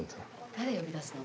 誰呼び出すの？